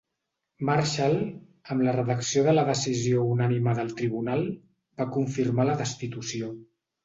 Marshall, amb la redacció de la decisió unànime del tribunal, va confirmar la destitució.